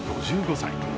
５５歳。